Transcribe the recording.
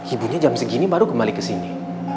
ibunya jam segini baru kembali ke sini